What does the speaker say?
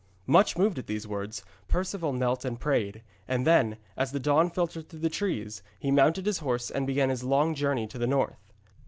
Much moved at these words, Perceval knelt and prayed, and then, as the dawn filtered through the trees, he mounted his horse and began his long journey to the north.